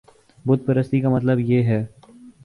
بت پرستی کا مطلب یہ ہے